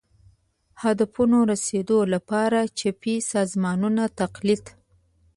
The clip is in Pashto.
هدفونو رسېدو لپاره چپي سازمانونو تقلید